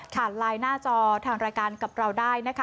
ไลน์หน้าจอทางรายการกับเราได้นะคะ